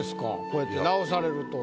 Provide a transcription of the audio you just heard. こうやって直されると。